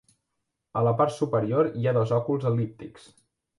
A la part superior hi ha dos òculs el·líptics.